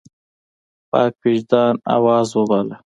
پاک وجدان آواز وباله.